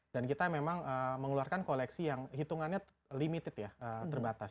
dan kita memang mengeluarkan koleksi yang hitungannya limited ya terbatas